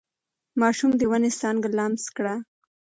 ماشوم د ونې څانګه لمس کړه.